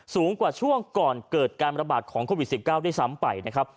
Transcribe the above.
สูงกว่าช่วงก่อนเกิดการระบาดของโควิด๑๙ด้วยซ้ำไปนะครับ